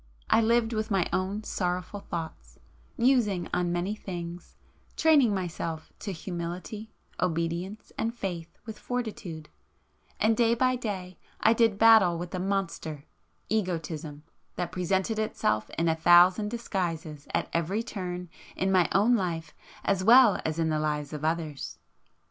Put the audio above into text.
I lived with my own sorrowful thoughts,—musing on many things, training myself to humility, obedience, and faith with fortitude,—and day by day I did battle with the monster, Egotism, that presented itself in a thousand disguises at every turn in my own life as well as in the lives of others.